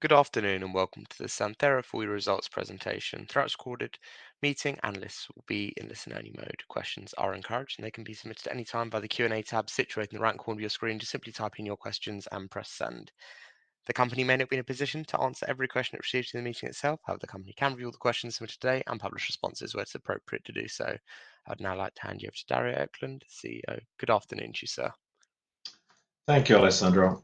Good afternoon and welcome to the Santhera Pharmaceuticals results presentation. Throughout this recorded meeting, analysts will be in listen-only mode. Questions are encouraged, and they can be submitted at any time via the Q&A tab situated in the right corner of your screen. Just simply type in your questions and press send. The company may not be in a position to answer every question that proceeds to the meeting itself, however the company can review all the questions submitted today and publish responses where it's appropriate to do so. I'd now like to hand you over to Dario Eklund, CEO. Good afternoon to you, sir. Thank you, Alessandro.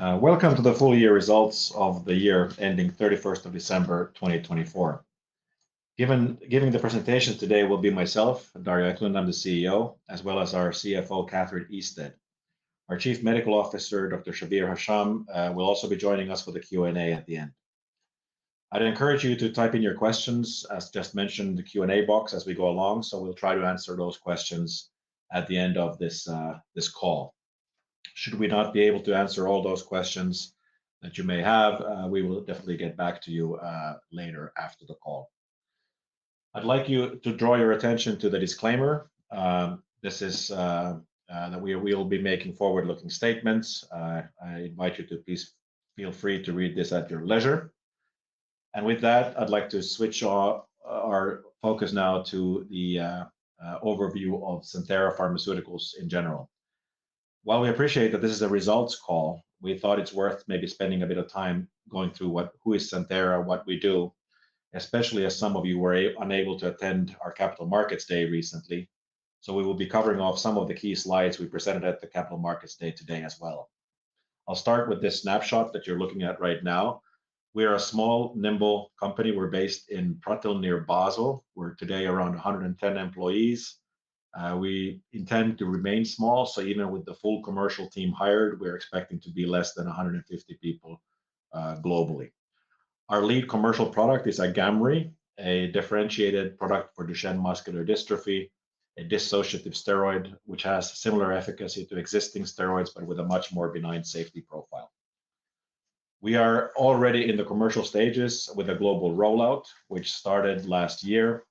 Welcome to the full year results of the year ending 31st of December 2024. Giving the presentation today will be myself, Dario Eklund, I'm the CEO, as well as our CFO, Catherine Isted. Our Chief Medical Officer, Dr. Shabir Hasham, will also be joining us for the Q&A at the end. I'd encourage you to type in your questions, as just mentioned, the Q&A box as we go along, so we'll try to answer those questions at the end of this call. Should we not be able to answer all those questions that you may have, we will definitely get back to you later after the call. I'd like you to draw your attention to the disclaimer. This is that we will be making forward-looking statements. I invite you to please feel free to read this at your leisure. With that, I'd like to switch our focus now to the overview of Santhera Pharmaceuticals in general. While we appreciate that this is a results call, we thought it's worth maybe spending a bit of time going through who is Santhera and what we do, especially as some of you were unable to attend our Capital Markets Day recently. We will be covering off some of the key slides we presented at the Capital Markets Day today as well. I'll start with this snapshot that you're looking at right now. We are a small, nimble company. We're based in Pratteln, near Basel. We're today around 110 employees. We intend to remain small, so even with the full commercial team hired, we're expecting to be less than 150 people globally. Our lead commercial product is AGAMREE, a differentiated product for Duchenne muscular dystrophy, a dissociative steroid which has similar efficacy to existing steroids, but with a much more benign safety profile. We are already in the commercial stages with a global rollout, which started last year.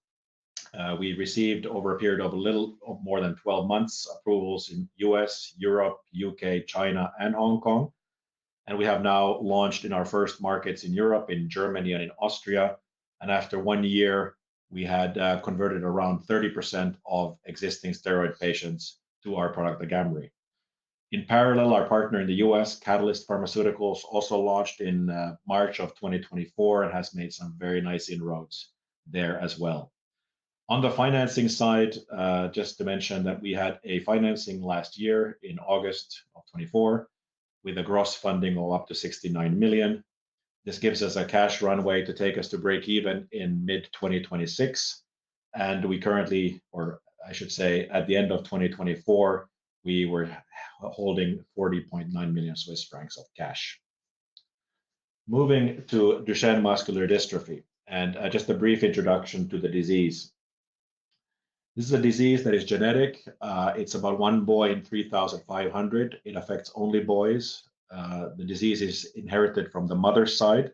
We received over a period of a little more than 12 months approvals in the U.S., Europe, U.K., China, and Hong Kong. We have now launched in our first markets in Europe, in Germany and in Austria. After one year, we had converted around 30% of existing steroid patients to our product, AGAMREE. In parallel, our partner in the U.S., Catalyst Pharmaceuticals, also launched in March of 2024 and has made some very nice inroads there as well. On the financing side, just to mention that we had a financing last year in August of 2024 with a gross funding of up to 69 million. This gives us a cash runway to take us to break even in mid-2026. We currently, or I should say at the end of 2024, were holding 40.9 million Swiss francs of cash. Moving to Duchenne muscular dystrophy and just a brief introduction to the disease. This is a disease that is genetic. It is about one boy in 3,500. It affects only boys. The disease is inherited from the mother's side.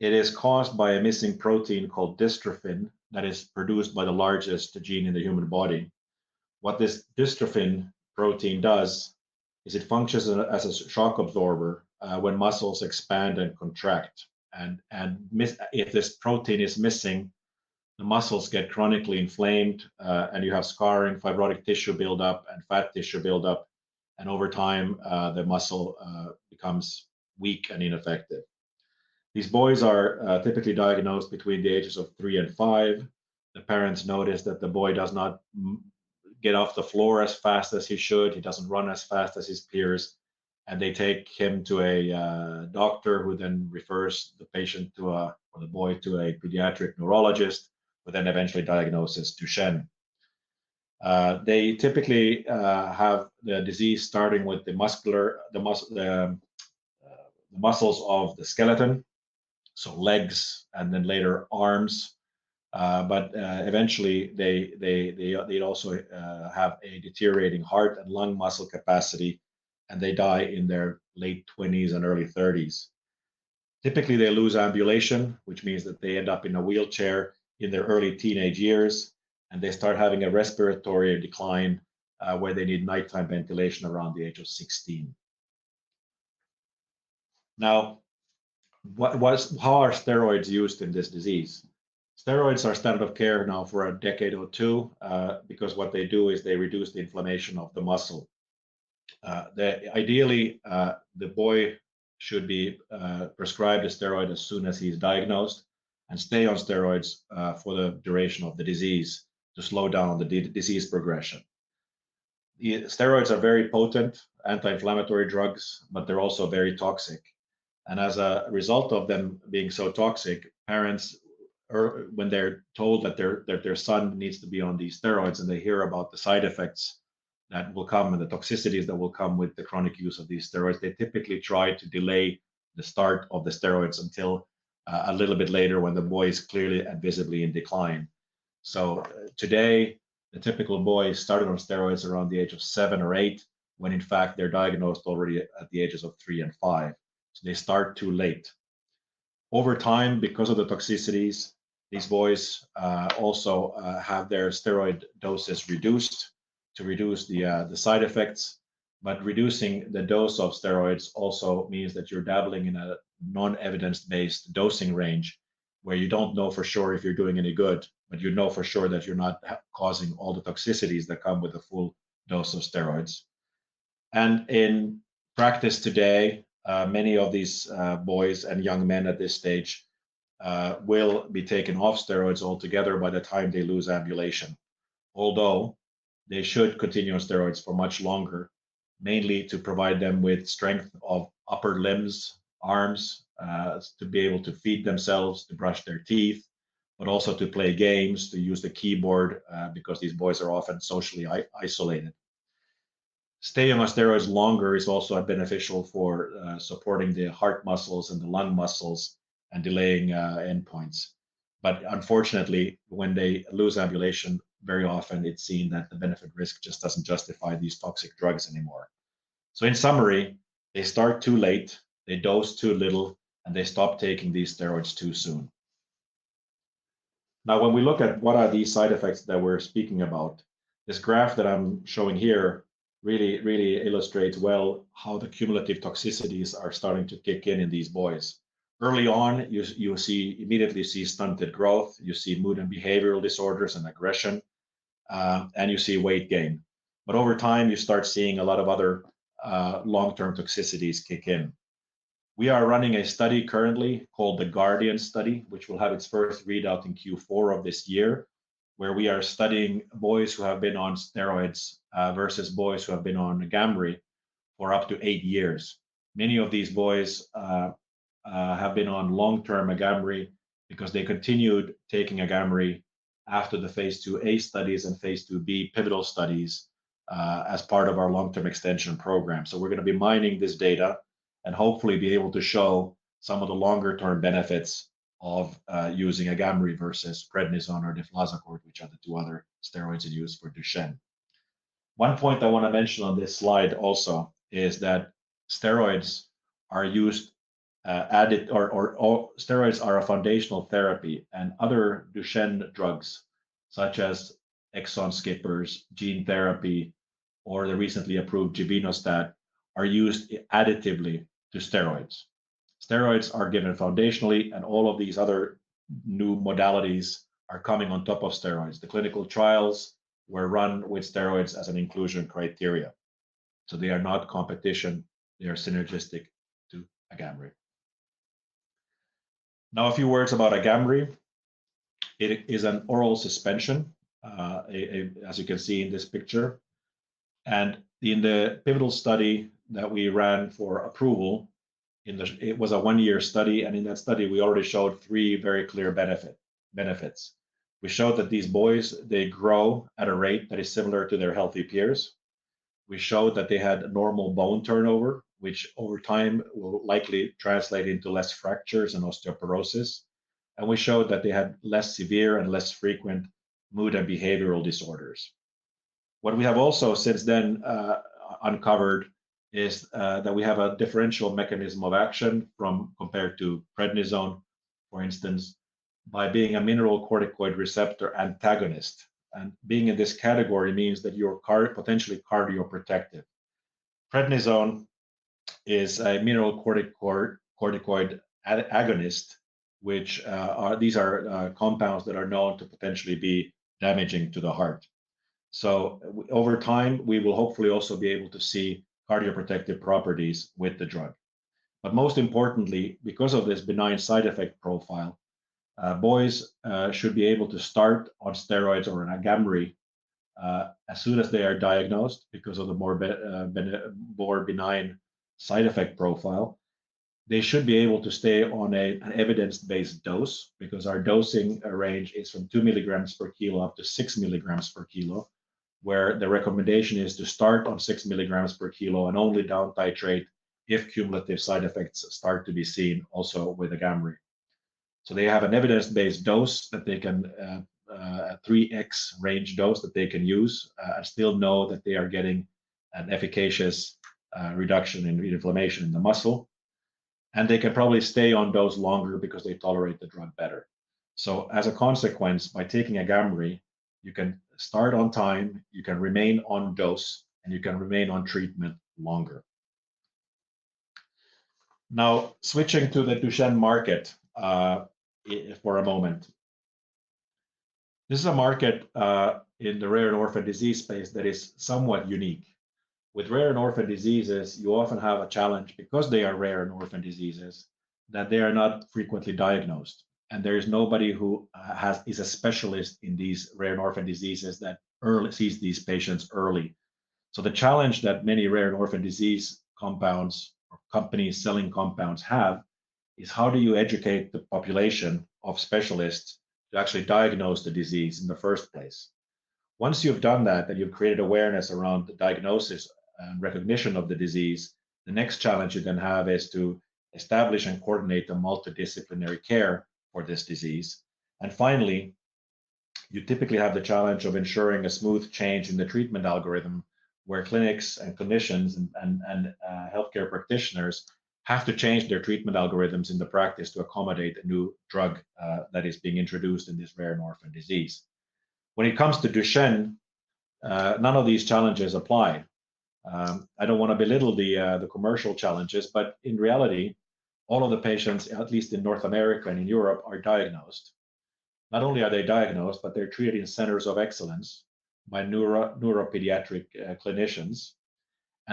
It is caused by a missing protein called dystrophin that is produced by the largest gene in the human body. What this dystrophin protein does is it functions as a shock absorber when muscles expand and contract. If this protein is missing, the muscles get chronically inflamed and you have scarring, fibrotic tissue buildup, and fat tissue buildup. Over time, the muscle becomes weak and ineffective. These boys are typically diagnosed between the ages of three and five. The parents notice that the boy does not get off the floor as fast as he should. He does not run as fast as his peers. They take him to a doctor who then refers the patient or the boy to a pediatric neurologist who eventually diagnoses Duchenne. They typically have the disease starting with the muscles of the skeleton, so legs and then later arms. Eventually, they also have a deteriorating heart and lung muscle capacity, and they die in their late 20s and early 30s. Typically, they lose ambulation, which means that they end up in a wheelchair in their early teenage years, and they start having a respiratory decline where they need nighttime ventilation around the age of 16. Now, how are steroids used in this disease? Steroids are standard of care now for a decade or two because what they do is they reduce the inflammation of the muscle. Ideally, the boy should be prescribed a steroid as soon as he's diagnosed and stay on steroids for the duration of the disease to slow down the disease progression. Steroids are very potent anti-inflammatory drugs, but they're also very toxic. As a result of them being so toxic, parents, when they're told that their son needs to be on these steroids and they hear about the side effects that will come and the toxicities that will come with the chronic use of these steroids, they typically try to delay the start of the steroids until a little bit later when the boy is clearly and visibly in decline. Today, the typical boy started on steroids around the age of seven or eight when, in fact, they're diagnosed already at the ages of three and five. They start too late. Over time, because of the toxicities, these boys also have their steroid doses reduced to reduce the side effects. Reducing the dose of steroids also means that you're dabbling in a non-evidence-based dosing range where you don't know for sure if you're doing any good, but you know for sure that you're not causing all the toxicities that come with a full dose of steroids. In practice today, many of these boys and young men at this stage will be taken off steroids altogether by the time they lose ambulation, although they should continue on steroids for much longer, mainly to provide them with strength of upper limbs, arms, to be able to feed themselves, to brush their teeth, but also to play games, to use the keyboard because these boys are often socially isolated. Staying on steroids longer is also beneficial for supporting the heart muscles and the lung muscles and delaying endpoints. Unfortunately, when they lose ambulation, very often it's seen that the benefit risk just doesn't justify these toxic drugs anymore. In summary, they start too late, they dose too little, and they stop taking these steroids too soon. Now, when we look at what are these side effects that we're speaking about, this graph that I'm showing here really illustrates well how the cumulative toxicities are starting to kick in in these boys. Early on, you immediately see stunted growth. You see mood and behavioral disorders and aggression, and you see weight gain. Over time, you start seeing a lot of other long-term toxicities kick in. We are running a study currently called the Guardian Study, which will have its first readout in Q4 of this year, where we are studying boys who have been on steroids versus boys who have been on AGAMREE for up to eight years. Many of these boys have been on long-term AGAMREE because they continued taking AGAMREE after the phase IIA studies and phase IIB pivotal studies as part of our long-term extension program. We are going to be mining this data and hopefully be able to show some of the longer-term benefits of using AGAMREE versus prednisone or deflazacort, which are the two other steroids used for Duchenne. One point I want to mention on this slide also is that steroids are a foundational therapy, and other Duchenne drugs such as exon skippers, gene therapy, or the recently approved Givinostat are used additively to steroids. Steroids are given foundationally, and all of these other new modalities are coming on top of steroids. The clinical trials were run with steroids as an inclusion criteria. They are not competition. They are synergistic to AGAMREE. Now, a few words about AGAMREE. It is an oral suspension, as you can see in this picture. In the pivotal study that we ran for approval, it was a one-year study. In that study, we already showed three very clear benefits. We showed that these boys, they grow at a rate that is similar to their healthy peers. We showed that they had normal bone turnover, which over time will likely translate into less fractures and osteoporosis. We showed that they had less severe and less frequent mood and behavioral disorders. What we have also since then uncovered is that we have a differential mechanism of action compared to prednisone, for instance, by being a mineralocorticoid receptor antagonist. Being in this category means that you're potentially cardioprotective. Prednisone is a mineralocorticoid agonist, which these are compounds that are known to potentially be damaging to the heart. Over time, we will hopefully also be able to see cardioprotective properties with the drug. Most importantly, because of this benign side effect profile, boys should be able to start on steroids or on AGAMREE as soon as they are diagnosed because of the more benign side effect profile. They should be able to stay on an evidence-based dose because our dosing range is from 2 milligrams per kilo up to 6 milligrams per kilo, where the recommendation is to start on 6 milligrams per kilo and only down titrate if cumulative side effects start to be seen also with AGAMREE. They have an evidence-based dose, a 3x range dose that they can use and still know that they are getting an efficacious reduction in inflammation in the muscle. They can probably stay on dose longer because they tolerate the drug better. As a consequence, by taking AGAMREE, you can start on time, you can remain on dose, and you can remain on treatment longer. Now, switching to the Duchenne market for a moment. This is a market in the rare and orphan disease space that is somewhat unique. With rare and orphan diseases, you often have a challenge because they are rare and orphan diseases that they are not frequently diagnosed. There is nobody who is a specialist in these rare and orphan diseases that sees these patients early. The challenge that many rare and orphan disease compounds or companies selling compounds have is how do you educate the population of specialists to actually diagnose the disease in the first place. Once you've done that and you've created awareness around the diagnosis and recognition of the disease, the next challenge you can have is to establish and coordinate a multidisciplinary care for this disease. You typically have the challenge of ensuring a smooth change in the treatment algorithm where clinics and clinicians and healthcare practitioners have to change their treatment algorithms in the practice to accommodate the new drug that is being introduced in this rare and orphan disease. When it comes to Duchenne, none of these challenges apply. I do not want to belittle the commercial challenges, but in reality, all of the patients, at least in North America and in Europe, are diagnosed. Not only are they diagnosed, but they are treated in centers of excellence by neuropediatric clinicians.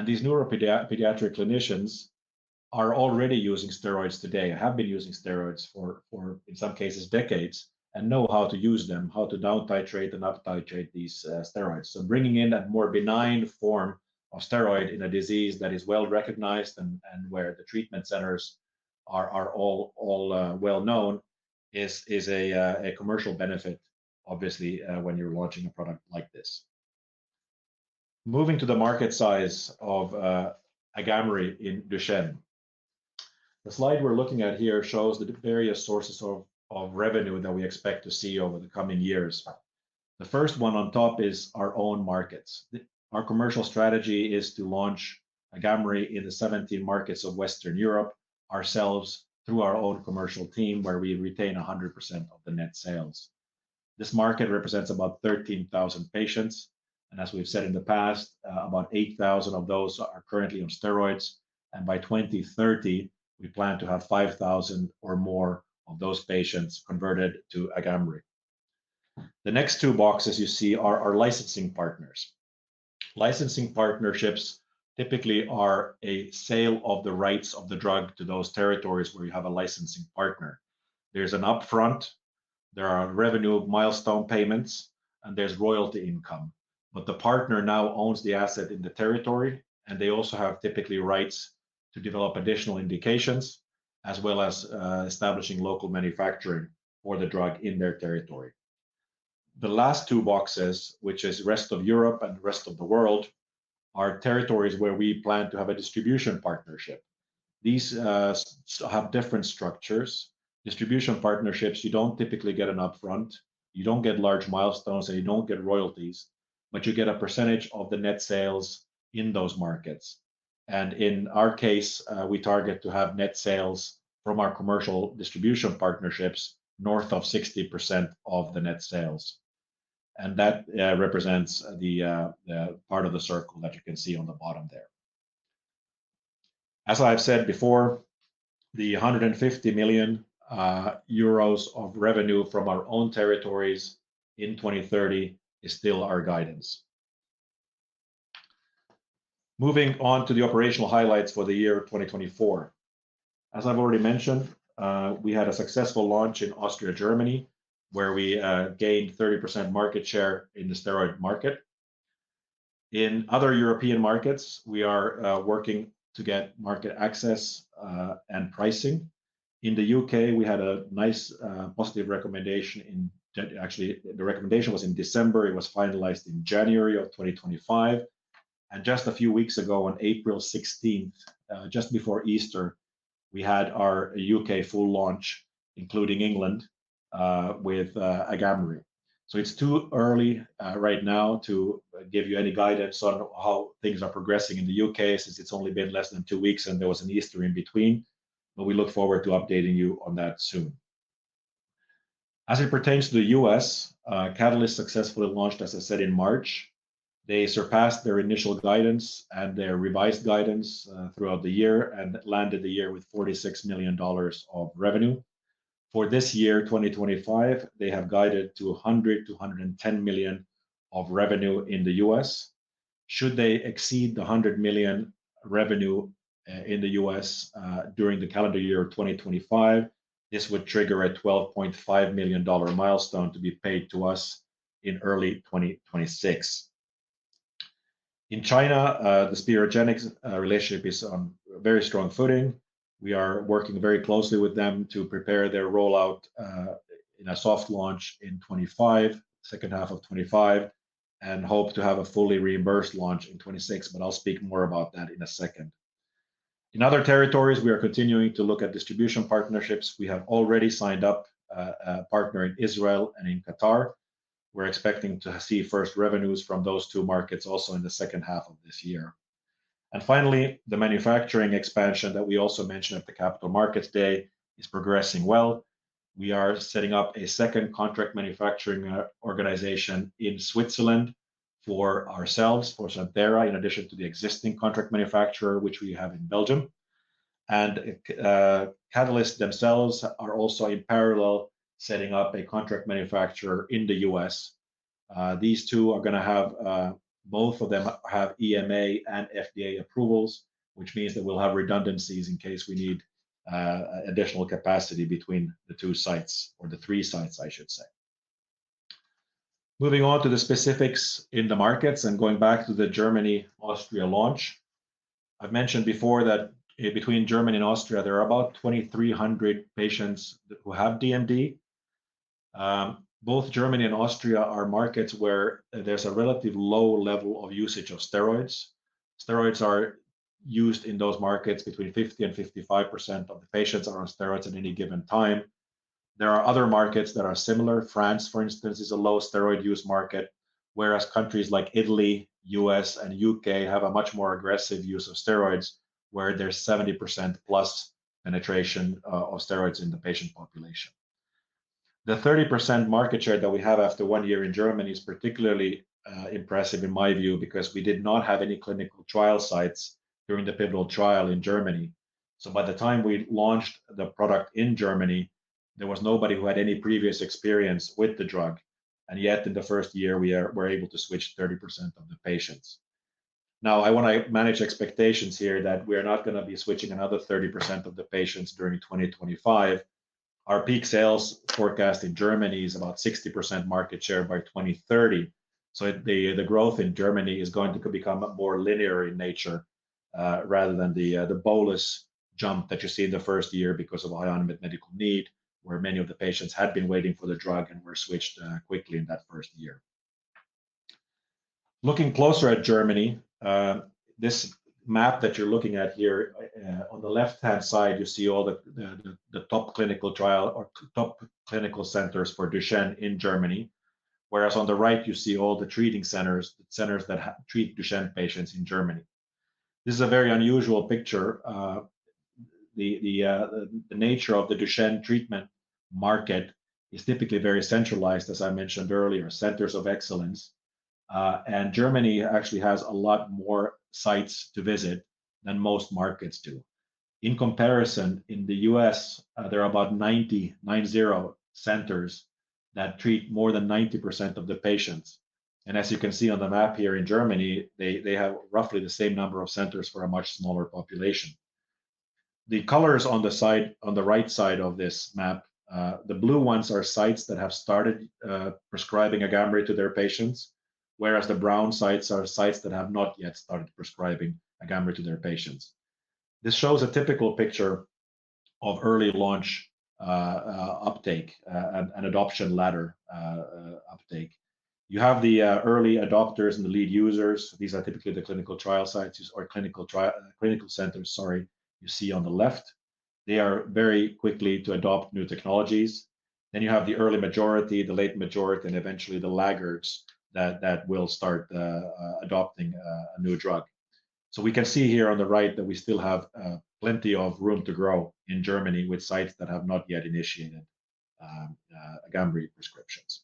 These neuropediatric clinicians are already using steroids today and have been using steroids for, in some cases, decades and know how to use them, how to down titrate and up titrate these steroids. Bringing in that more benign form of steroid in a disease that is well recognized and where the treatment centers are all well known is a commercial benefit, obviously, when you're launching a product like this. Moving to the market size of AGAMREE in Duchenne. The slide we're looking at here shows the various sources of revenue that we expect to see over the coming years. The first one on top is our own markets. Our commercial strategy is to launch AGAMREE in the 17 markets of Western Europe ourselves through our own commercial team where we retain 100% of the net sales. This market represents about 13,000 patients. As we've said in the past, about 8,000 of those are currently on steroids. By 2030, we plan to have 5,000 or more of those patients converted to AGAMREE. The next two boxes you see are our licensing partners. Licensing partnerships typically are a sale of the rights of the drug to those territories where you have a licensing partner. There's an upfront, there are revenue milestone payments, and there's royalty income. The partner now owns the asset in the territory, and they also have typically rights to develop additional indications as well as establishing local manufacturing for the drug in their territory. The last two boxes, which is rest of Europe and rest of the world, are territories where we plan to have a distribution partnership. These have different structures. Distribution partnerships, you don't typically get an upfront. You don't get large milestones, and you don't get royalties, but you get a percentage of the net sales in those markets. In our case, we target to have net sales from our commercial distribution partnerships north of 60% of the net sales. That represents the part of the circle that you can see on the bottom there. As I have said before, the 150 million euros of revenue from our own territories in 2030 is still our guidance. Moving on to the operational highlights for the year 2024. As I have already mentioned, we had a successful launch in Austria, Germany, where we gained 30% market share in the steroid market. In other European markets, we are working to get market access and pricing. In the U.K., we had a nice positive recommendation in actually, the recommendation was in December. It was finalized in January of 2025. Just a few weeks ago, on April 16, just before Easter, we had our U.K. full launch, including England, with AGAMREE. It is too early right now to give you any guidance on how things are progressing in the U.K. since it has only been less than two weeks and there was an Easter in between. We look forward to updating you on that soon. As it pertains to the U.S., Catalyst successfully launched, as I said, in March. They surpassed their initial guidance and their revised guidance throughout the year and landed the year with $46 million of revenue. For this year, 2025, they have guided to $100 million-$110 million of revenue in the U.S. Should they exceed the $100 million revenue in the U.S. during the calendar year of 2025, this would trigger a $12.5 million milestone to be paid to us in early 2026. In China, the Spirogenics relationship is on very strong footing. We are working very closely with them to prepare their rollout in a soft launch in 2025, second half of 2025, and hope to have a fully reimbursed launch in 2026. I will speak more about that in a second. In other territories, we are continuing to look at distribution partnerships. We have already signed up a partner in Israel and in Qatar. We are expecting to see first revenues from those two markets also in the second half of this year. Finally, the manufacturing expansion that we also mentioned at the Capital Markets Day is progressing well. We are setting up a second contract manufacturing organization in Switzerland for ourselves, for Santhera, in addition to the existing contract manufacturer, which we have in Belgium. Catalyst themselves are also in parallel setting up a contract manufacturer in the US. These two are going to have both of them have EMA and FDA approvals, which means that we'll have redundancies in case we need additional capacity between the two sites or the three sites, I should say. Moving on to the specifics in the markets and going back to the Germany-Austria launch. I've mentioned before that between Germany and Austria, there are about 2,300 patients who have DMD. Both Germany and Austria are markets where there's a relatively low level of usage of steroids. Steroids are used in those markets between 50-55% of the patients are on steroids at any given time. There are other markets that are similar. France, for instance, is a low steroid use market, whereas countries like Italy, U.S., and U.K. have a much more aggressive use of steroids where there's 70% plus penetration of steroids in the patient population. The 30% market share that we have after one year in Germany is particularly impressive in my view because we did not have any clinical trial sites during the pivotal trial in Germany. By the time we launched the product in Germany, there was nobody who had any previous experience with the drug. Yet in the first year, we were able to switch 30% of the patients. I want to manage expectations here that we are not going to be switching another 30% of the patients during 2025. Our peak sales forecast in Germany is about 60% market share by 2030. The growth in Germany is going to become more linear in nature rather than the bolus jump that you see in the first year because of high unmet medical need where many of the patients had been waiting for the drug and were switched quickly in that first year. Looking closer at Germany, this map that you're looking at here on the left-hand side, you see all the top clinical trial or top clinical centers for Duchenne in Germany, whereas on the right, you see all the treating centers that treat Duchenne patients in Germany. This is a very unusual picture. The nature of the Duchenne treatment market is typically very centralized, as I mentioned earlier, centers of excellence. Germany actually has a lot more sites to visit than most markets do. In comparison, in the U.S., there are about 90 centers that treat more than 90% of the patients. As you can see on the map here in Germany, they have roughly the same number of centers for a much smaller population. The colors on the right side of this map, the blue ones are sites that have started prescribing AGAMREE to their patients, whereas the brown sites are sites that have not yet started prescribing AGAMREE to their patients. This shows a typical picture of early launch uptake and adoption ladder uptake. You have the early adopters and the lead users. These are typically the clinical trial sites or clinical centers, sorry, you see on the left. They are very quickly to adopt new technologies. You have the early majority, the late majority, and eventually the laggards that will start adopting a new drug. We can see here on the right that we still have plenty of room to grow in Germany with sites that have not yet initiated AGAMREE prescriptions.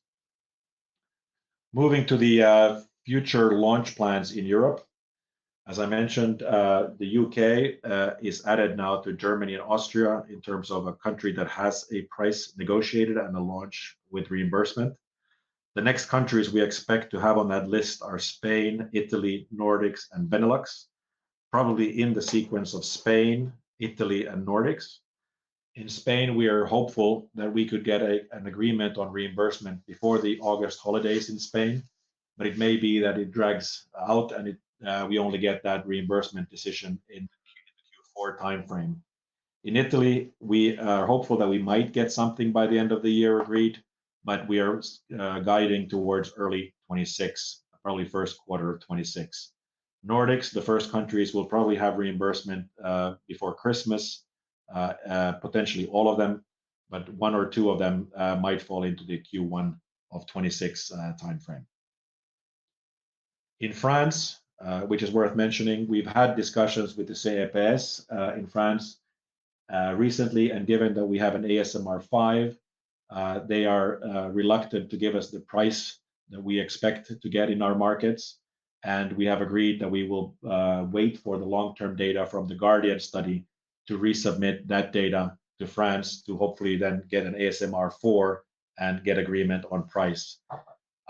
Moving to the future launch plans in Europe. As I mentioned, the U.K. is added now to Germany and Austria in terms of a country that has a price negotiated and a launch with reimbursement. The next countries we expect to have on that list are Spain, Italy, Nordics, and Benelux, probably in the sequence of Spain, Italy, and Nordics. In Spain, we are hopeful that we could get an agreement on reimbursement before the August holidays in Spain, but it may be that it drags out and we only get that reimbursement decision in the Q4 timeframe. In Italy, we are hopeful that we might get something by the end of the year agreed, but we are guiding towards early 2026, early first quarter of 2026. Nordics, the first countries will probably have reimbursement before Christmas, potentially all of them, but one or two of them might fall into the Q1 of 2026 timeframe. In France, which is worth mentioning, we have had discussions with the CNPS in France recently, and given that we have an ASMR 5, they are reluctant to give us the price that we expect to get in our markets. We have agreed that we will wait for the long-term data from the Guardian Study to resubmit that data to France to hopefully then get an ASMR 4 and get agreement on price.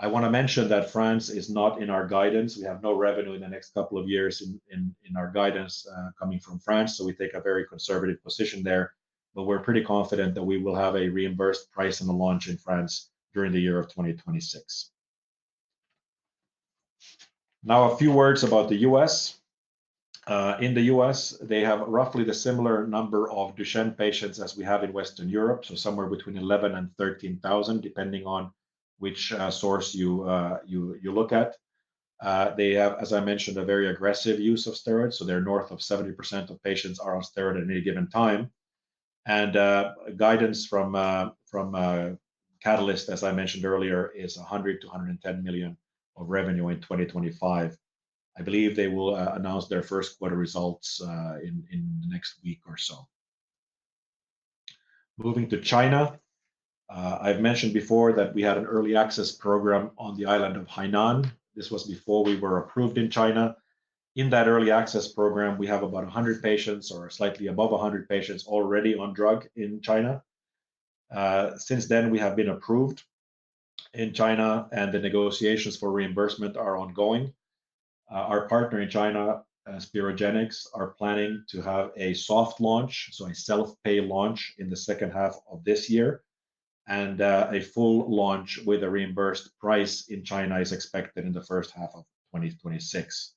I want to mention that France is not in our guidance. We have no revenue in the next couple of years in our guidance coming from France, so we take a very conservative position there. We are pretty confident that we will have a reimbursed price and a launch in France during the year of 2026. Now, a few words about the U.S. In the U.S., they have roughly the similar number of Duchenne patients as we have in Western Europe, so somewhere between 11,000 and 13,000, depending on which source you look at. They have, as I mentioned, a very aggressive use of steroids, so they are north of 70% of patients are on steroids at any given time. Guidance from Catalyst, as I mentioned earlier, is $100 million-$110 million of revenue in 2025. I believe they will announce their first quarter results in the next week or so. Moving to China, I've mentioned before that we had an early access program on the island of Hainan. This was before we were approved in China. In that early access program, we have about 100 patients or slightly above 100 patients already on drug in China. Since then, we have been approved in China, and the negotiations for reimbursement are ongoing. Our partner in China, Sperogenix, are planning to have a soft launch, so a self-pay launch in the second half of this year. A full launch with a reimbursed price in China is expected in the first half of 2026.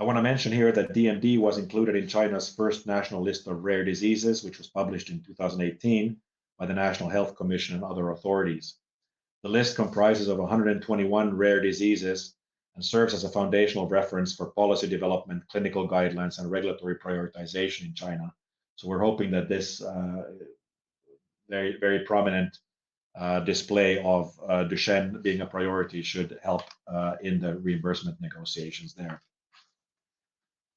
I want to mention here that DMD was included in China's first national list of rare diseases, which was published in 2018 by the National Health Commission and other authorities. The list comprises of 121 rare diseases and serves as a foundational reference for policy development, clinical guidelines, and regulatory prioritization in China. We are hoping that this very prominent display of Duchenne being a priority should help in the reimbursement negotiations there.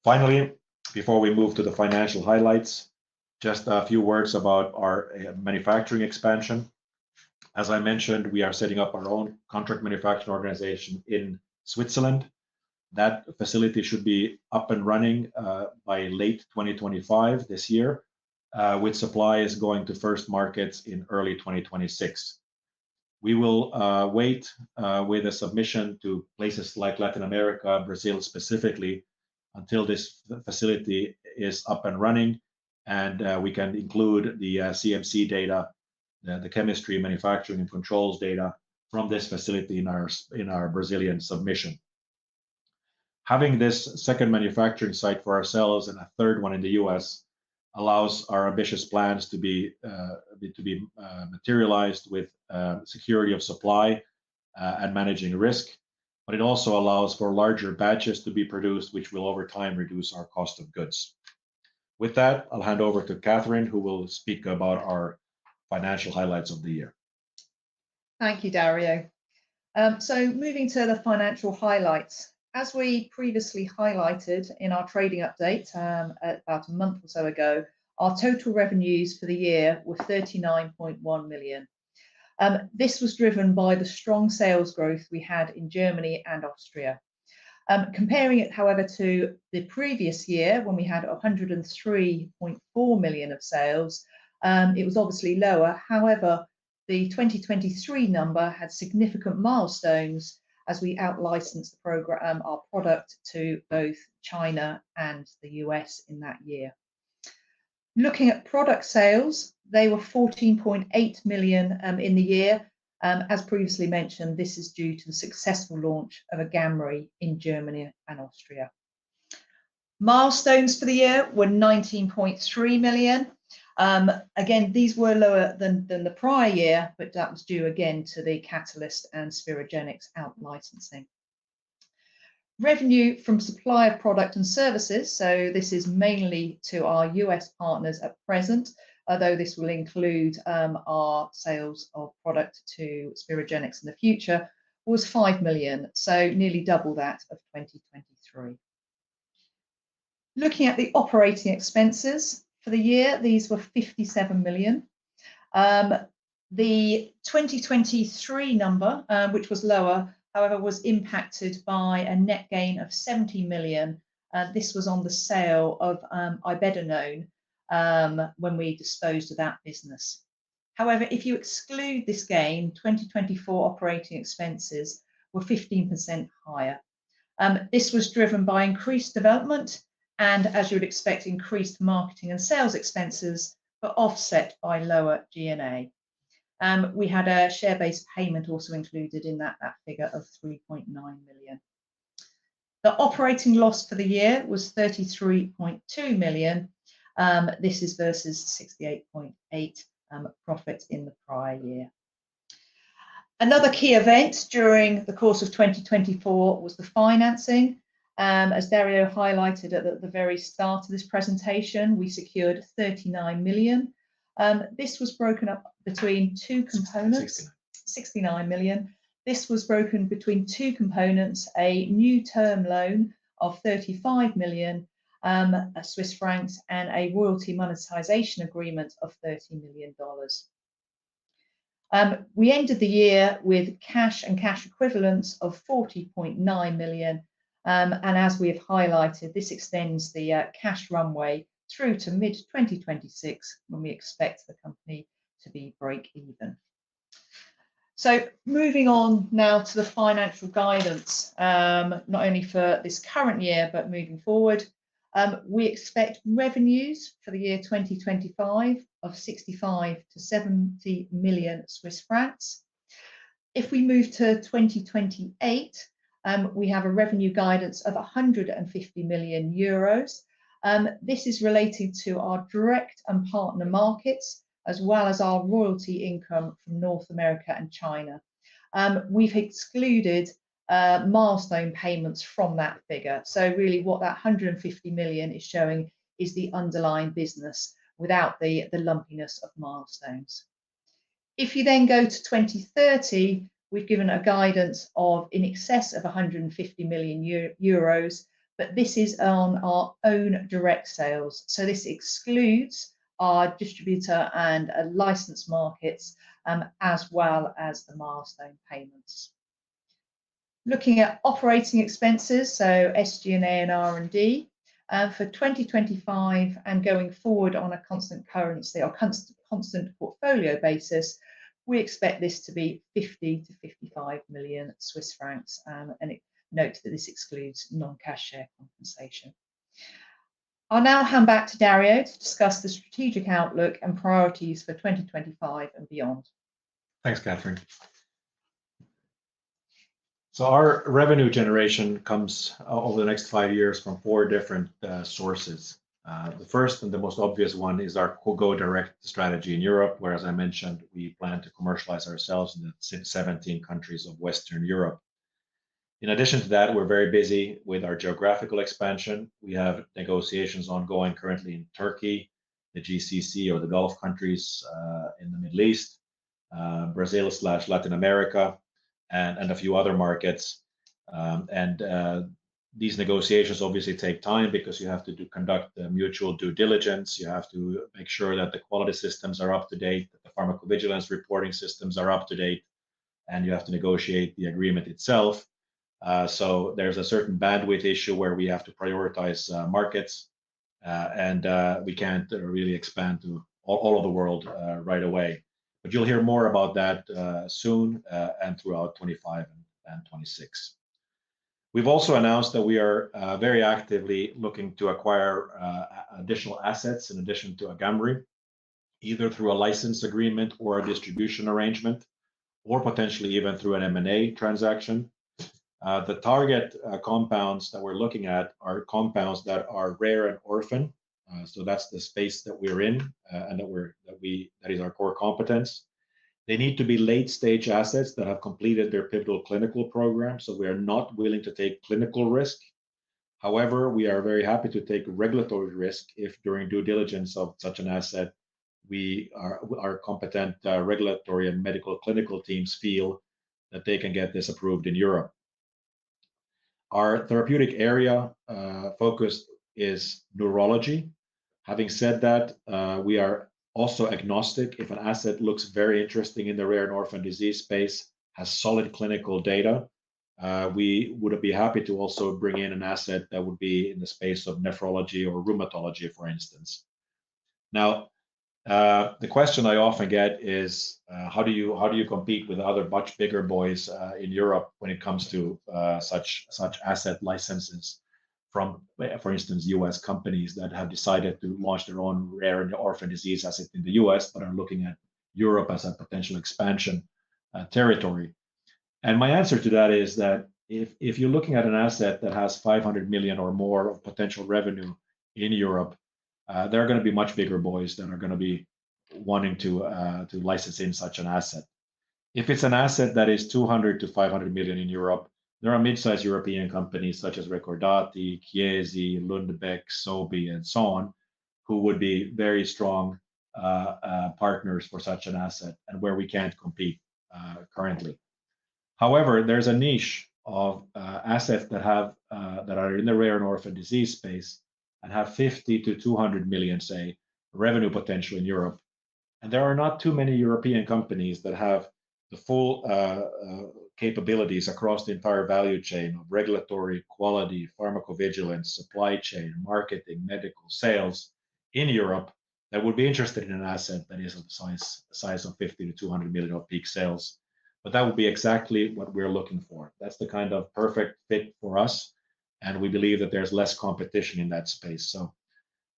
Finally, before we move to the financial highlights, just a few words about our manufacturing expansion. As I mentioned, we are setting up our own contract manufacturing organization in Switzerland. That facility should be up and running by late 2025, with supplies going to first markets in early 2026. We will wait with a submission to places like Latin America, Brazil specifically, until this facility is up and running, and we can include the CMC data, the chemistry manufacturing and controls data from this facility in our Brazilian submission. Having this second manufacturing site for ourselves and a third one in the U.S. allows our ambitious plans to be materialized with security of supply and managing risk, but it also allows for larger batches to be produced, which will over time reduce our cost of goods. With that, I'll hand over to Catherine, who will speak about our financial highlights of the year. Thank you, Dario. Moving to the financial highlights. As we previously highlighted in our trading update about a month or so ago, our total revenues for the year were 39.1 million. This was driven by the strong sales growth we had in Germany and Austria. Comparing it, however, to the previous year when we had 103.4 million of sales, it was obviously lower. However, the 2023 number had significant milestones as we outlicensed our product to both China and the U.S. in that year. Looking at product sales, they were 14.8 million in the year. As previously mentioned, this is due to the successful launch of AGAMREE in Germany and Austria. Milestones for the year were 19.3 million. Again, these were lower than the prior year, but that was due again to the Catalyst and Spirogenix outlicensing. Revenue from supply of product and services, so this is mainly to our U.S. partners at present, although this will include our sales of product to Spirogenix in the future, was 5 million, so nearly double that of 2023. Looking at the operating expenses for the year, these were 57 million. The 2023 number, which was lower, however, was impacted by a net gain of 70 million. This was on the sale of Ibetanone when we disposed of that business. However, if you exclude this gain, 2024 operating expenses were 15% higher. This was driven by increased development and, as you would expect, increased marketing and sales expenses, but offset by lower G&A. We had a share-based payment also included in that figure of 3.9 million. The operating loss for the year was 33.2 million. This is versus 68.8 million profit in the prior year. Another key event during the course of 2024 was the financing. As Dario highlighted at the very start of this presentation, we secured 39 million. This was broken up between two components, 69 million. This was broken between two components, a new term loan of 35 million and a royalty monetization agreement of CHF $30 million. We ended the year with cash and cash equivalents of 40.9 million. As we have highlighted, this extends the cash runway through to mid-2026 when we expect the company to be break-even. Moving on now to the financial guidance, not only for this current year, but moving forward, we expect revenues for the year 2025 of 65 million-70 million Swiss francs. If we move to 2028, we have a revenue guidance of 150 million euros. This is related to our direct and partner markets, as well as our royalty income from North America and China. We have excluded milestone payments from that figure. What that 150 million is showing is the underlying business without the lumpiness of milestones. If you then go to 2030, we have given a guidance of in excess of 150 million euros, but this is on our own direct sales. This excludes our distributor and license markets, as well as the milestone payments. Looking at operating expenses, so SG&A and R&D, for 2025 and going forward on a constant currency or constant portfolio basis, we expect this to be 50 million-55 million Swiss francs. Note that this excludes non-cash share compensation. I'll now hand back to Dario to discuss the strategic outlook and priorities for 2025 and beyond. Thanks, Catherine. Our revenue generation comes over the next five years from four different sources. The first and the most obvious one is our co-grow direct strategy in Europe, where, as I mentioned, we plan to commercialize ourselves in the 17 countries of Western Europe. In addition to that, we're very busy with our geographical expansion. We have negotiations ongoing currently in Turkey, the GCC, or the Gulf countries in the Middle East, Brazil/Latin America, and a few other markets. These negotiations obviously take time because you have to conduct mutual due diligence. You have to make sure that the quality systems are up to date, that the pharmacovigilance reporting systems are up to date, and you have to negotiate the agreement itself. There is a certain bandwidth issue where we have to prioritize markets, and we can't really expand to all of the world right away. You will hear more about that soon and throughout 2025 and 2026. We have also announced that we are very actively looking to acquire additional assets in addition to AGAMREE, either through a license agreement or a distribution arrangement, or potentially even through an M&A transaction. The target compounds that we are looking at are compounds that are rare and orphaned. That is the space that we are in and that is our core competence. They need to be late-stage assets that have completed their pivotal clinical program, so we are not willing to take clinical risk. However, we are very happy to take regulatory risk if during due diligence of such an asset, our competent regulatory and medical clinical teams feel that they can get this approved in Europe. Our therapeutic area focus is neurology. Having said that, we are also agnostic. If an asset looks very interesting in the rare and orphan disease space, has solid clinical data, we would be happy to also bring in an asset that would be in the space of nephrology or rheumatology, for instance. Now, the question I often get is, how do you compete with other much bigger boys in Europe when it comes to such asset licenses from, for instance, U.S. companies that have decided to launch their own rare and orphan disease asset in the U.S., but are looking at Europe as a potential expansion territory? My answer to that is that if you're looking at an asset that has 500 million or more of potential revenue in Europe, there are going to be much bigger boys that are going to be wanting to license in such an asset. If it's an asset that is 200 million-500 million in Europe, there are mid-size European companies such as Recordati, Chiesi, Lundbeck, Sobi, and so on, who would be very strong partners for such an asset and where we can't compete currently. However, there's a niche of assets that are in the rare and orphan disease space and have 50 million-200 million, say, revenue potential in Europe. There are not too many European companies that have the full capabilities across the entire value chain of regulatory, quality, pharmacovigilance, supply chain, marketing, medical sales in Europe that would be interested in an asset that is of the size of 50 million-200 million of peak sales. That would be exactly what we're looking for. That's the kind of perfect fit for us, and we believe that there's less competition in that space.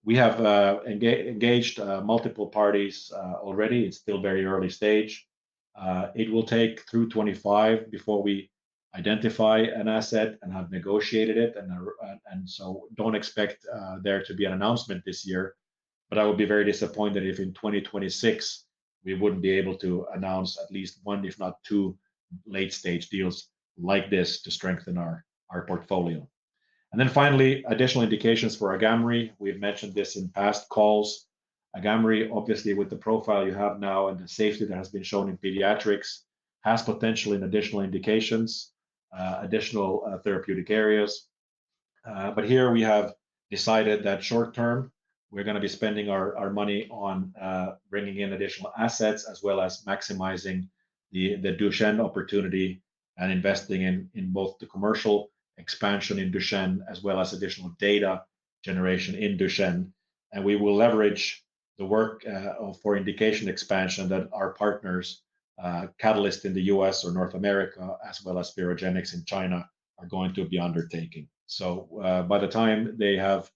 We have engaged multiple parties already. It's still very early stage. It will take through 2025 before we identify an asset and have negotiated it. Do not expect there to be an announcement this year, but I would be very disappointed if in 2026, we would not be able to announce at least one, if not two, late-stage deals like this to strengthen our portfolio. Finally, additional indications for AGAMREE. We have mentioned this in past calls. AGAMREE, obviously, with the profile you have now and the safety that has been shown in pediatrics, has potentially additional indications, additional therapeutic areas. Here we have decided that short term, we are going to be spending our money on bringing in additional assets as well as maximizing the Duchenne opportunity and investing in both the commercial expansion in Duchenne, as well as additional data generation in Duchenne. We will leverage the work for indication expansion that our partners, Catalyst in the U.S. or North America, as well as Spirogenix in China, are going to be undertaking. By the time they have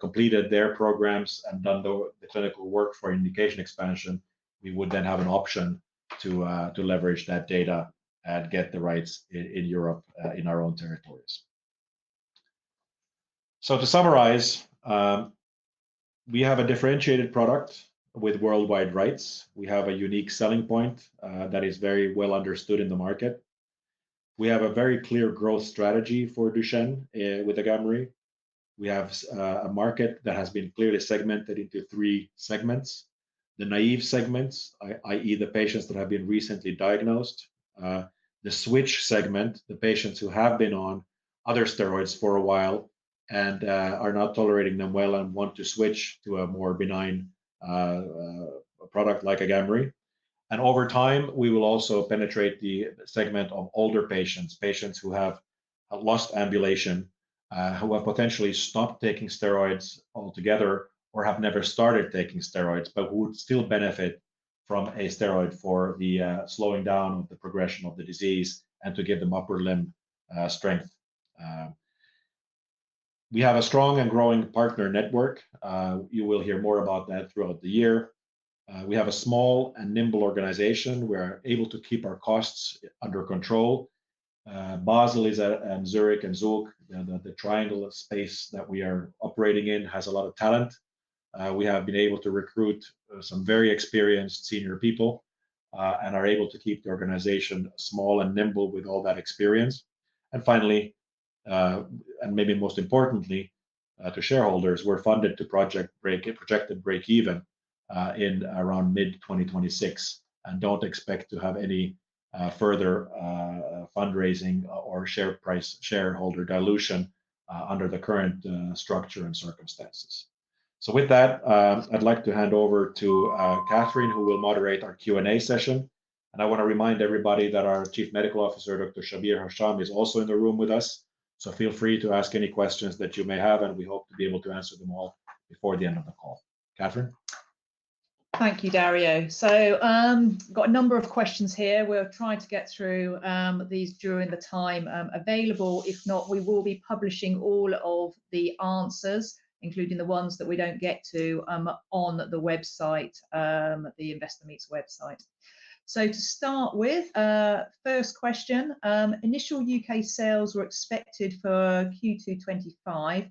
completed their programs and done the clinical work for indication expansion, we would then have an option to leverage that data and get the rights in Europe in our own territories. To summarize, we have a differentiated product with worldwide rights. We have a unique selling point that is very well understood in the market. We have a very clear growth strategy for Duchenne with AGAMREE. We have a market that has been clearly segmented into three segments: the naive segments, i.e., the patients that have been recently diagnosed; the switch segment, the patients who have been on other steroids for a while and are not tolerating them well and want to switch to a more benign product like AGAMREE. Over time, we will also penetrate the segment of older patients, patients who have lost ambulation, who have potentially stopped taking steroids altogether or have never started taking steroids, but would still benefit from a steroid for the slowing down of the progression of the disease and to give them upper limb strength. We have a strong and growing partner network. You will hear more about that throughout the year. We have a small and nimble organization. We are able to keep our costs under control. Basel is at Zurich and Zug. The triangle space that we are operating in has a lot of talent. We have been able to recruit some very experienced senior people and are able to keep the organization small and nimble with all that experience. Finally, and maybe most importantly to shareholders, we're funded to projected break-even in around mid-2026 and don't expect to have any further fundraising or shareholder dilution under the current structure and circumstances. With that, I'd like to hand over to Catherine, who will moderate our Q&A session. I want to remind everybody that our Chief Medical Officer, Dr. Shabir Hasham, is also in the room with us. Feel free to ask any questions that you may have, and we hope to be able to answer them all before the end of the call. Catherine? Thank you, Dario. We have a number of questions here. We'll try to get through these during the time available. If not, we will be publishing all of the answers, including the ones that we don't get to, on the website, the Investor Meets website. To start with, first question, initial U.K. sales were expected for Q2 2025.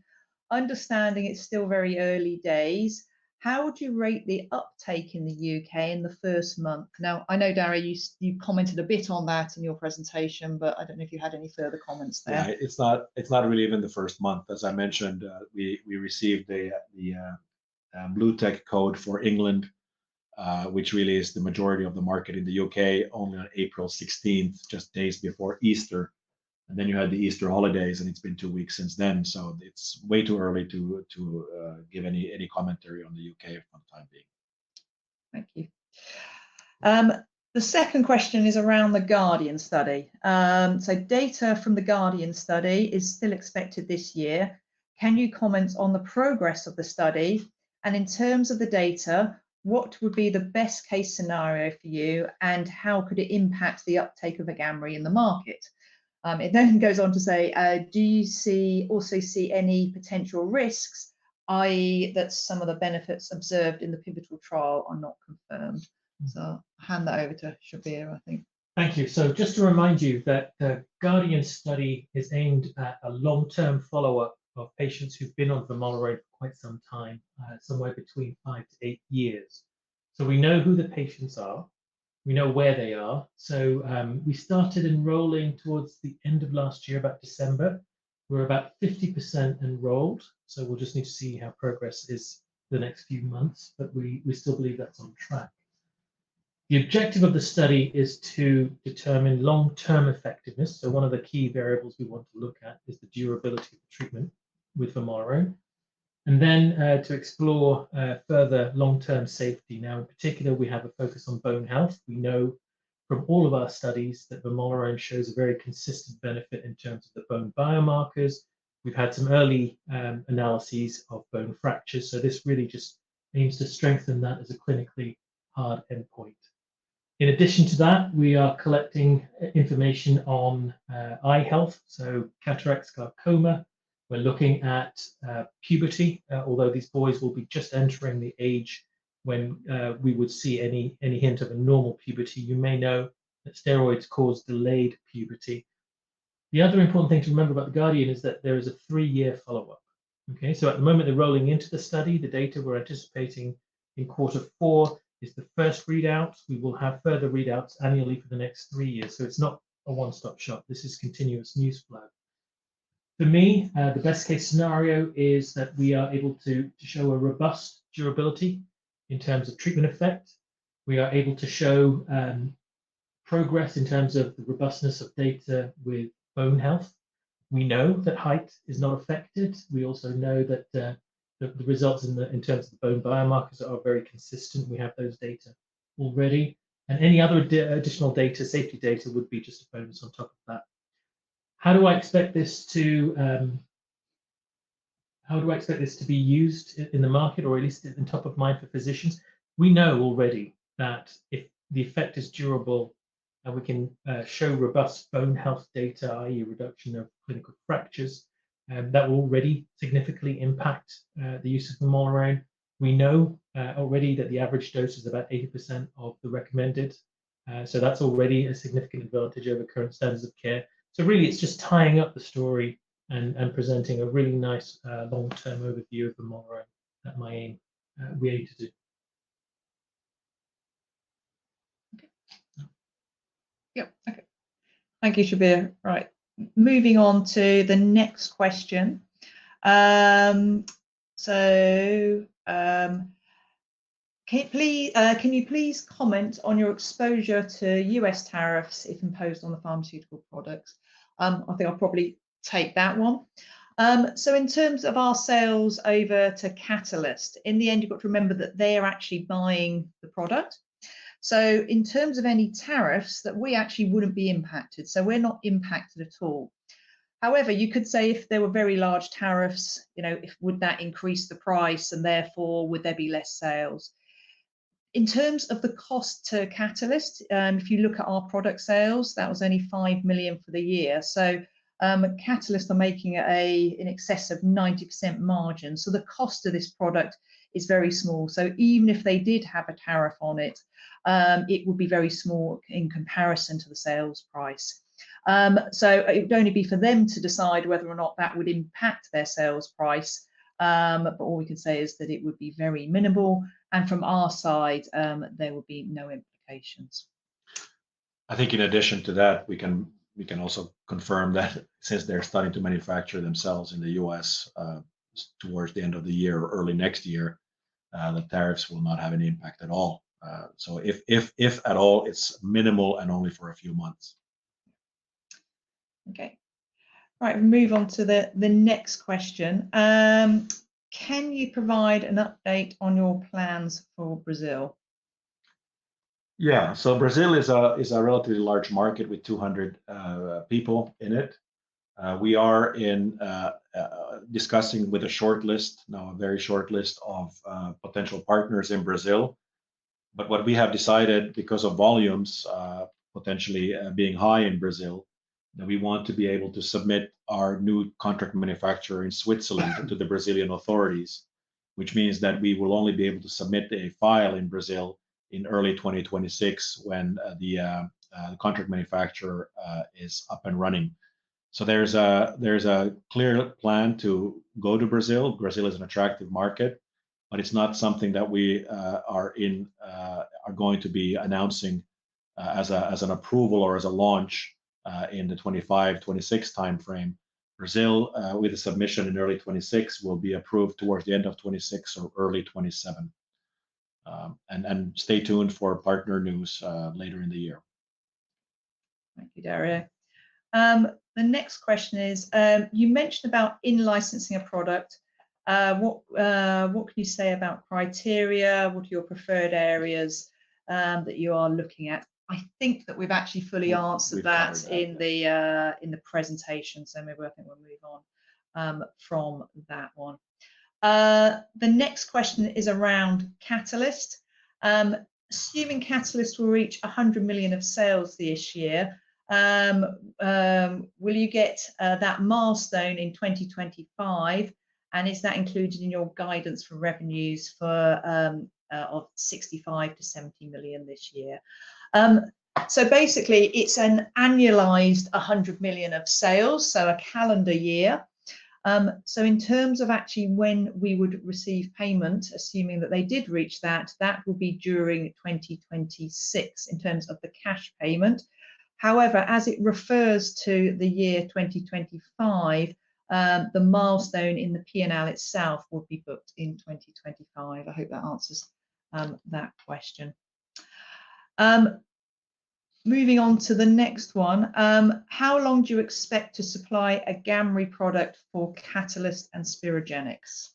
Understanding it's still very early days, how would you rate the uptake in the U.K. in the first month? Now, I know, Dario, you commented a bit on that in your presentation, but I don't know if you had any further comments there. It's not really even the first month. As I mentioned, we received the BlueTech code for England, which really is the majority of the market in the U.K., only on April 16, just days before Easter. You had the Easter holidays, and it's been two weeks since then. It's way too early to give any commentary on the U.K. for the time being. Thank you. The second question is around the Guardian Study. Data from the Guardian Study is still expected this year. Can you comment on the progress of the study? In terms of the data, what would be the best-case scenario for you, and how could it impact the uptake of AGAMREE in the market? It then goes on to say, do you also see any potential risks, i.e., that some of the benefits observed in the pivotal trial are not confirmed? I'll hand that over to Shabir, I think. Thank you. Just to remind you, the Guardian Study is aimed at a long-term follow-up of patients who've been on vamorolone for quite some time, somewhere between five to eight years. We know who the patients are. We know where they are. We started enrolling towards the end of last year, about December. We're about 50% enrolled. We'll just need to see how progress is the next few months, but we still believe that's on track. The objective of the study is to determine long-term effectiveness. One of the key variables we want to look at is the durability of the treatment with vamorolone and then to explore further long-term safety. In particular, we have a focus on bone health. We know from all of our studies that vamorolone shows a very consistent benefit in terms of the bone biomarkers. We've had some early analyses of bone fractures. This really just aims to strengthen that as a clinically hard endpoint. In addition to that, we are collecting information on eye health, so cataracts, glaucoma. We're looking at puberty, although these boys will be just entering the age when we would see any hint of a normal puberty. You may know that steroids cause delayed puberty. The other important thing to remember about the Guardian is that there is a three-year follow-up. Okay? At the moment, they're rolling into the study. The data we're anticipating in quarter four is the first readouts. We will have further readouts annually for the next three years. It is not a one-stop shop. This is continuous news flow. For me, the best-case scenario is that we are able to show a robust durability in terms of treatment effect. We are able to show progress in terms of the robustness of data with bone health. We know that height is not affected. We also know that the results in terms of bone biomarkers are very consistent. We have those data already. Any other additional safety data would be just a bonus on top of that. How do I expect this to—how do I expect this to be used in the market, or at least in top of mind for physicians? We know already that if the effect is durable and we can show robust bone health data, i.e., reduction of clinical fractures, that will already significantly impact the use of vamorolone. We know already that the average dose is about 80% of the recommended. That is already a significant advantage over current standards of care. It is just tying up the story and presenting a really nice long-term overview of vamorolone that we aim to do. Okay. Yep. Okay. Thank you, Shabir. Right. Moving on to the next question. Can you please comment on your exposure to U.S. tariffs if imposed on the pharmaceutical products? I think I'll probably take that one. In terms of our sales over to Catalyst, in the end, you've got to remember that they are actually buying the product. In terms of any tariffs, we actually wouldn't be impacted. We're not impacted at all. However, you could say if there were very large tariffs, would that increase the price and therefore would there be less sales? In terms of the cost to Catalyst, if you look at our product sales, that was only 5 million for the year. Catalyst are making in excess of 90% margin. The cost of this product is very small. Even if they did have a tariff on it, it would be very small in comparison to the sales price. It would only be for them to decide whether or not that would impact their sales price. All we can say is that it would be very minimal. From our side, there would be no implications. I think in addition to that, we can also confirm that since they're starting to manufacture themselves in the U.S. towards the end of the year or early next year, the tariffs will not have any impact at all. If at all, it's minimal and only for a few months. Okay. All right. We'll move on to the next question. Can you provide an update on your plans for Brazil? Yeah. Brazil is a relatively large market with 200 people in it. We are discussing with a short list, now a very short list of potential partners in Brazil. What we have decided, because of volumes potentially being high in Brazil, is that we want to be able to submit our new contract manufacturer in Switzerland to the Brazilian authorities, which means that we will only be able to submit a file in Brazil in early 2026 when the contract manufacturer is up and running. There is a clear plan to go to Brazil. Brazil is an attractive market, but it is not something that we are going to be announcing as an approval or as a launch in the 2025-2026 timeframe. Brazil, with a submission in early 2026, will be approved towards the end of 2026 or early 2027. Stay tuned for partner news later in the year. Thank you, Dario. The next question is, you mentioned about in-licensing a product. What can you say about criteria? What are your preferred areas that you are looking at? I think that we've actually fully answered that in the presentation. Maybe I think we'll move on from that one. The next question is around Catalyst. Assuming Catalyst will reach $100 million of sales this year, will you get that milestone in 2025? Is that included in your guidance for revenues of 65-70 million this year? Basically, it's an annualized $100 million of sales, a calendar year. In terms of actually when we would receive payment, assuming that they did reach that, that would be during 2026 in terms of the cash payment. However, as it refers to the year 2025, the milestone in the P&L itself would be booked in 2025. I hope that answers that question. Moving on to the next one. How long do you expect to supply AGAMREE product for Catalyst and Spirogenix?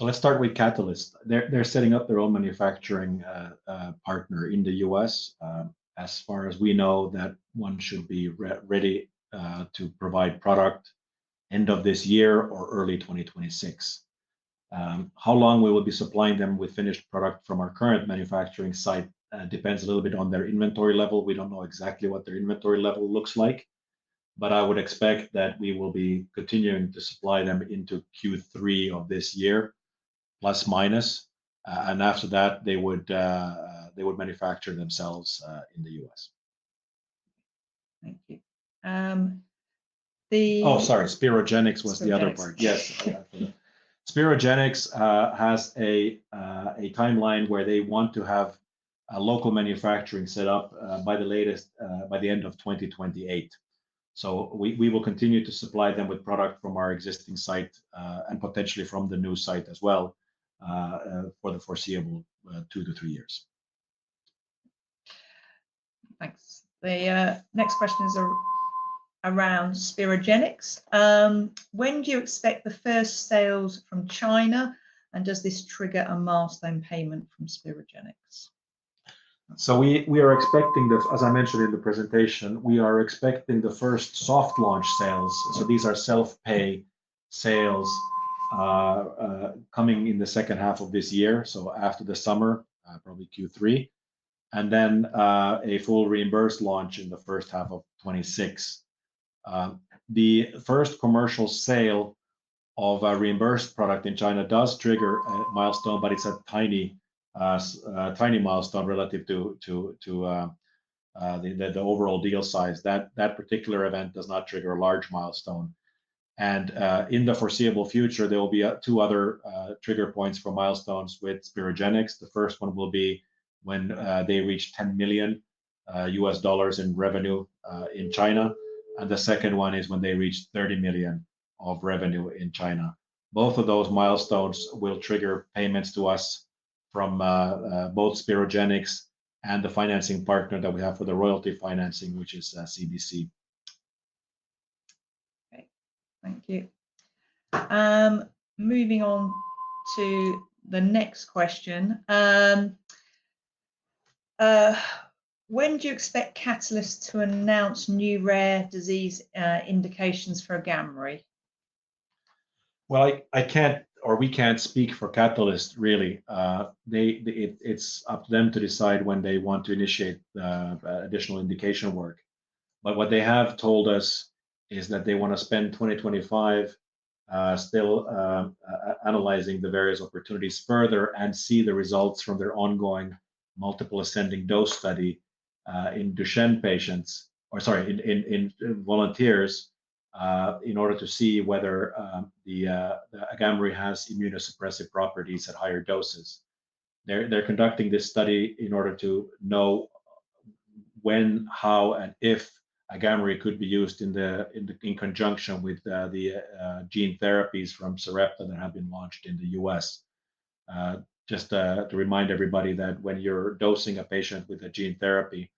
Let's start with Catalyst. They're setting up their own manufacturing partner in the U.S.. As far as we know, that one should be ready to provide product end of this year or early 2026. How long we will be supplying them with finished product from our current manufacturing site depends a little bit on their inventory level. We don't know exactly what their inventory level looks like. I would expect that we will be continuing to supply them into Q3 of this year, plus minus. After that, they would manufacture themselves in the U.S.. Thank you. Oh, sorry. Spirogenics was the other part. Yes. Spirogenics has a timeline where they want to have a local manufacturing set up by the end of 2028. We will continue to supply them with product from our existing site and potentially from the new site as well for the foreseeable two to three years. Thanks. The next question is around Spirogenics. When do you expect the first sales from China? Does this trigger a milestone payment from Spirogenics? We are expecting the—as I mentioned in the presentation, we are expecting the first soft launch sales. These are self-pay sales coming in the second half of this year, after the summer, probably Q3, and then a full reimbursed launch in the first half of 2026. The first commercial sale of a reimbursed product in China does trigger a milestone, but it is a tiny milestone relative to the overall deal size. That particular event does not trigger a large milestone. In the foreseeable future, there will be two other trigger points for milestones with Spirogenics. The first one will be when they reach $10 million in revenue in China. The second one is when they reach 30 million of revenue in China. Both of those milestones will trigger payments to us from both Sperogenix and the financing partner that we have for the royalty financing, which is CDC. Thank you. Moving on to the next question. When do you expect Catalyst to announce new rare disease indications for AGAMREE? I cannot or we cannot speak for Catalyst, really. It is up to them to decide when they want to initiate additional indication work. What they have told us is that they want to spend 2025 still analyzing the various opportunities further and see the results from their ongoing multiple ascending dose study in Duchenne patients—or sorry, in volunteers—in order to see whether the AGAMREE has immunosuppressive properties at higher doses. They're conducting this study in order to know when, how, and if AGAMREE could be used in conjunction with the gene therapies from Sarepta that have been launched in the U.S. Just to remind everybody that when you're dosing a patient with a gene therapy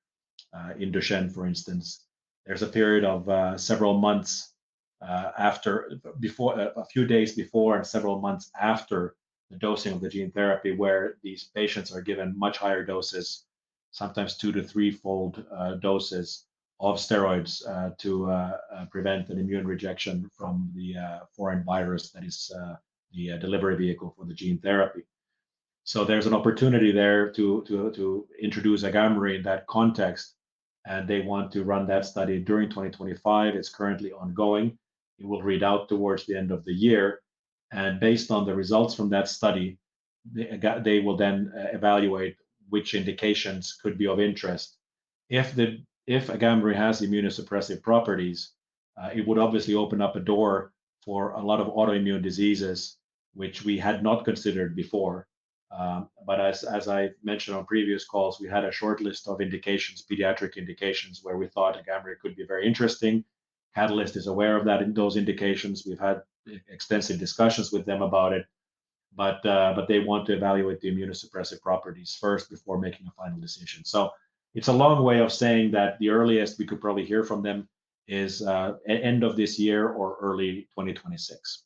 in Duchenne, for instance, there's a period of several months before—a few days before and several months after the dosing of the gene therapy—where these patients are given much higher doses, sometimes two- to threefold doses of steroids to prevent an immune rejection from the foreign virus that is the delivery vehicle for the gene therapy. There is an opportunity there to introduce AGAMREE in that context. They want to run that study during 2025. It's currently ongoing. It will read out towards the end of the year. Based on the results from that study, they will then evaluate which indications could be of interest. If AGAMREE has immunosuppressive properties, it would obviously open up a door for a lot of autoimmune diseases, which we had not considered before. As I've mentioned on previous calls, we had a short list of pediatric indications where we thought AGAMREE could be very interesting. Catalyst is aware of those indications. We've had extensive discussions with them about it. They want to evaluate the immunosuppressive properties first before making a final decision. It is a long way of saying that the earliest we could probably hear from them is end of this year or early 2026.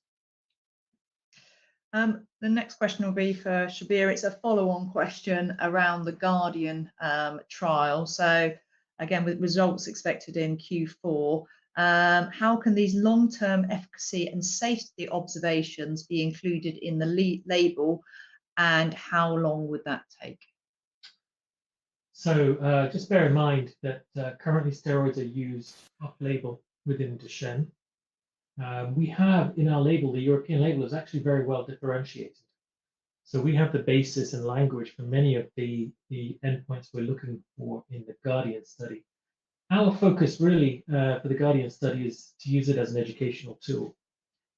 The next question will be for Shabir. It's a follow-on question around the Guardian trial. Again, with results expected in Q4, how can these long-term efficacy and safety observations be included in the label? How long would that take? Just bear in mind that currently, steroids are used off-label within Duchenne. We have in our label, the European label is actually very well differentiated. We have the basis and language for many of the endpoints we're looking for in the Guardian study. Our focus really for the Guardian Study is to use it as an educational tool.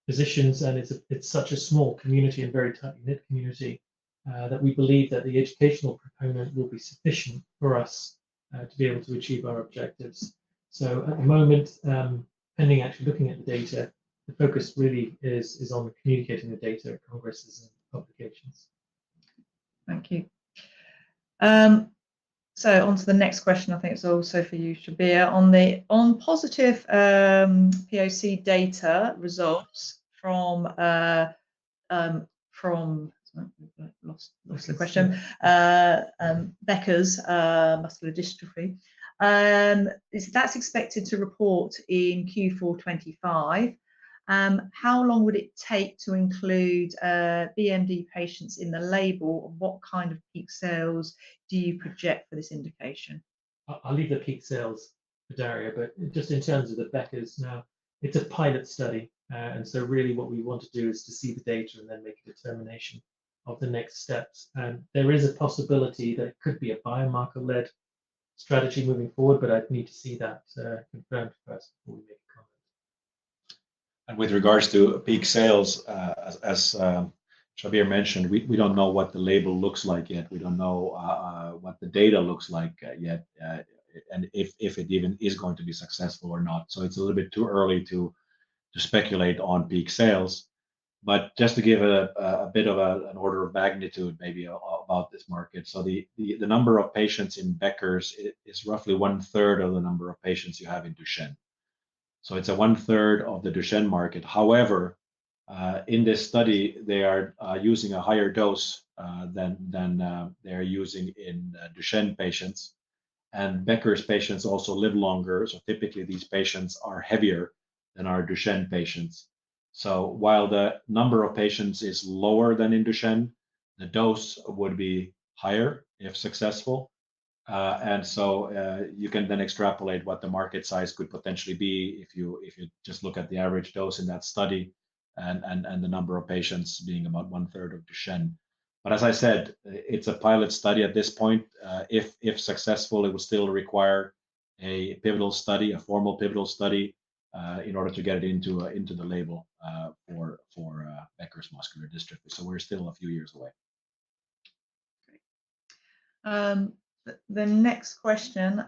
Physicians, and it's such a small community and very tightly knit community that we believe that the educational component will be sufficient for us to be able to achieve our objectives. At the moment, pending actually looking at the data, the focus really is on communicating the data at conferences and publications. Thank you. Onto the next question, I think it's also for you, Shabir. On positive POC data results from—lost the question—Becker's muscular dystrophy. That's expected to report in Q4 2025. How long would it take to include BMD patients in the label? What kind of peak sales do you project for this indication? I'll leave the peak sales for Dario, but just in terms of the Becker's, now, it's a pilot study. Really what we want to do is to see the data and then make a determination of the next steps. There is a possibility that it could be a biomarker-led strategy moving forward, but I'd need to see that confirmed first before we make a comment. With regards to peak sales, as Shabir mentioned, we don't know what the label looks like yet. We don't know what the data looks like yet and if it even is going to be successful or not. It is a little bit too early to speculate on peak sales. Just to give a bit of an order of magnitude maybe about this market, the number of patients in Becker's is roughly one-third of the number of patients you have in Duchenne. It is one-third of the Duchenne market. However, in this study, they are using a higher dose than they are using in Duchenne patients. Becker's patients also live longer. Typically, these patients are heavier than our Duchenne patients. While the number of patients is lower than in Duchenne, the dose would be higher if successful. You can then extrapolate what the market size could potentially be if you just look at the average dose in that study and the number of patients being about one-third of Duchenne. As I said, it's a pilot study at this point. If successful, it will still require a formal pivotal study in order to get it into the label for Becker's muscular dystrophy. We're still a few years away. Okay. The next question.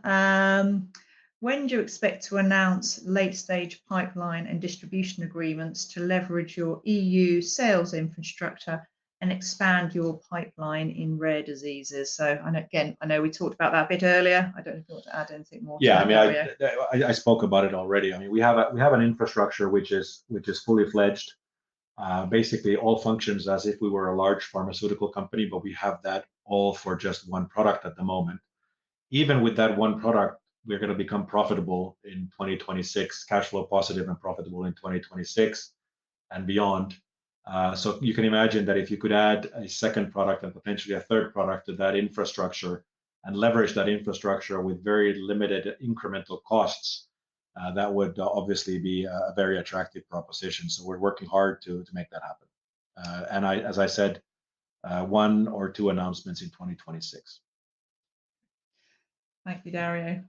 When do you expect to announce late-stage pipeline and distribution agreements to leverage your E.U. sales infrastructure and expand your pipeline in rare diseases? I know we talked about that a bit earlier. I don't know if you want to add anything more to that. Yeah. I mean, I spoke about it already. We have an infrastructure which is fully fledged. Basically, all functions as if we were a large pharmaceutical company, but we have that all for just one product at the moment. Even with that one product, we're going to become profitable in 2026, cash flow positive and profitable in 2026 and beyond. You can imagine that if you could add a second product and potentially a third product to that infrastructure and leverage that infrastructure with very limited incremental costs, that would obviously be a very attractive proposition. We're working hard to make that happen. As I said, one or two announcements in 2026. Thank you, Dario.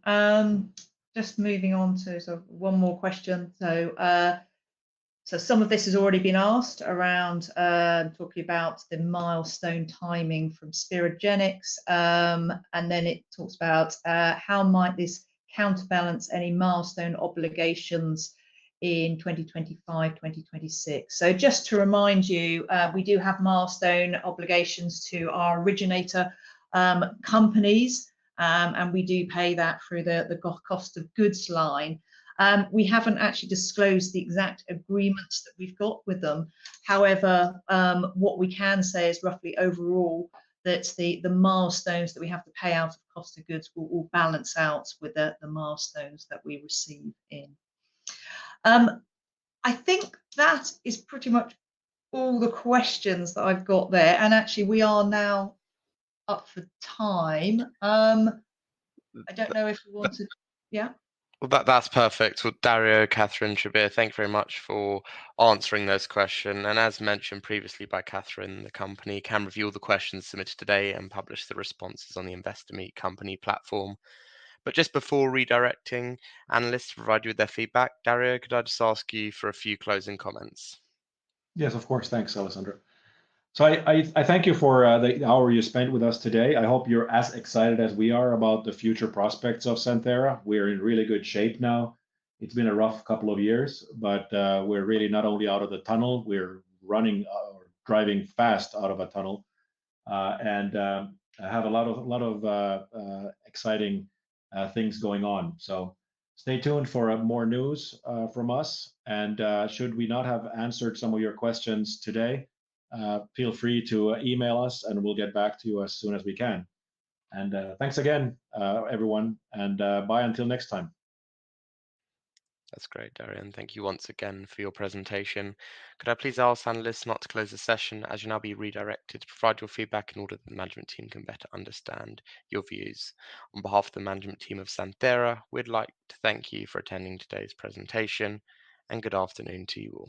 Just moving on to one more question. Some of this has already been asked around talking about the milestone timing from Spirogenics. Then it talks about how might this counterbalance any milestone obligations in 2025, 2026. Just to remind you, we do have milestone obligations to our originator companies. We do pay that through the cost of goods line. We have not actually disclosed the exact agreements that we have with them. However, what we can say is roughly overall that the milestones that we have to pay out of cost of goods will balance out with the milestones that we receive in. I think that is pretty much all the questions that I have there. Actually, we are now up for time. I do not know if we want to—yeah? That is perfect. Dario, Catherine, Shabir, thanks very much for answering those questions. As mentioned previously by Catherine, the company can review the questions submitted today and publish the responses on the InvestorMeet company platform. Just before redirecting analysts to provide you with their feedback, Dario, could I just ask you for a few closing comments? Yes, of course. Thanks, Alessandro. I thank you for the hour you spent with us today. I hope you're as excited as we are about the future prospects of Santhera. We're in really good shape now. It's been a rough couple of years, but we're really not only out of the tunnel. We're running or driving fast out of a tunnel. I have a lot of exciting things going on. Stay tuned for more news from us. Should we not have answered some of your questions today, feel free to email us, and we'll get back to you as soon as we can. Thanks again, everyone. Bye until next time. That's great, Dario. Thank you once again for your presentation. Could I please ask analysts not to close the session as you'll now be redirected to provide your feedback in order that the management team can better understand your views? On behalf of the management team of Santhera, we'd like to thank you for attending today's presentation. Good afternoon to you all.